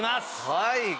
はい！